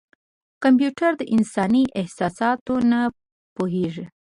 کمپیوټر د انساني احساساتو نه پوهېږي.